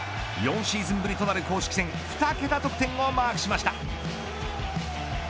４シーズンぶりとなる公式戦２桁得点をマークしました。